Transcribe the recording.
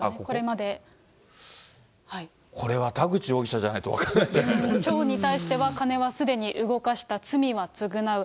これは田口容疑者じゃないと、町に対しては金はすでに動かした、罪は償う。